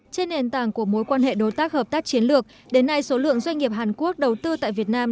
trên nền tảng của mối quan hệ đối tác hợp tác chiến lược đến nay số lượng doanh nghiệp hàn quốc đầu tư tại việt nam